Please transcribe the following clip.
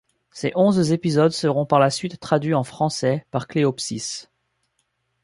Ces onze épisodes seront par la suite traduits en français par Cleopsys.